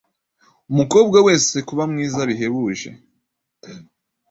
umukobwa wese kuba mwiza bihebuje